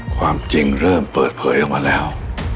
ความจริงเริ่มเปิดเผยออกมาแล้ว